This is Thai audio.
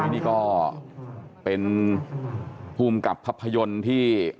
นี่ก็เป็นภูมิกับภาพยนตร์ที่